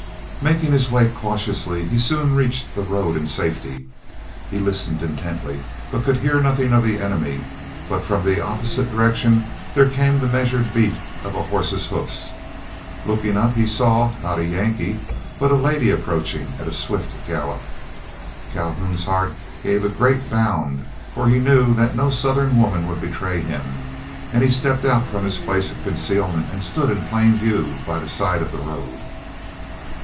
Making his way cautiously he soon reached the road in safety. He listened intently, but could hear nothing of the enemy; but from the opposite direction there came the measured beat of a horse's hoofs. Looking up he saw, not a Yankee, but a lady approaching, at a swift gallop. Calhoun's heart gave a great bound, for he knew that no Southern woman would betray him, and he stepped out from his place of concealment and stood in plain view by the side of the road.